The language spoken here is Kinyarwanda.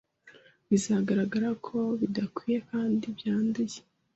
bizagaragara ko bidakwiye kandi byanduye